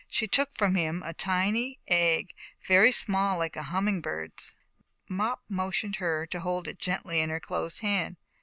She took from him a tiny egg, very small like a humming bird's. Mop motioned her to hold it gently in her closed hand.